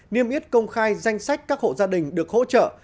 niêm yết công khai danh sách các hộ gia đình được hỗ trợ